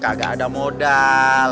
kagak ada modal